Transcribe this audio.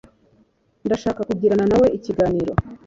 Ndashaka kugirana nawe ikiganiro.